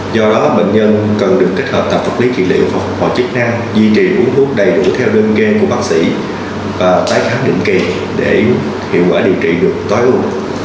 do đó bệnh nhân cần được kết hợp tập phật lý trị liệu và phục vụ chức năng duy trì uống thuốc đầy đủ theo đơn game của bác sĩ và tái khám đường kỳ để hiệu quả điều trị được tối ưu